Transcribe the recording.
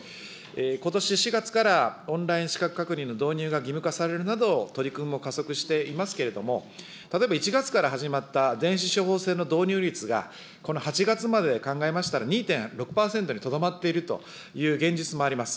ことし４月からオンライン資格確認の導入が義務化されるなど、取り組みも加速していますけれども、例えば１月から始まった電子処方箋の導入率が、この８月まで考えましたら、２．６％にとどまっているという現実もあります。